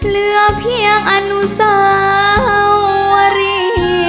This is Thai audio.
เหลือเพียงอนุสาวรี